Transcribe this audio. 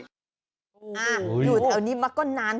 อยู่แถวนี้มาก็นาน